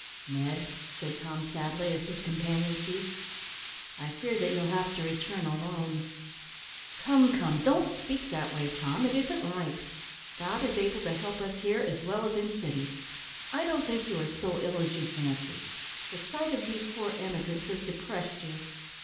"Ned," said Tom, sadly, as his companion ceased, "I fear that you'll have to return alone." "Come, come, don't speak that way, Tom; it isn't right. God is able to help us here as well as in cities. I don't think you are so ill as you fancy the sight of these poor emigrants has depressed you.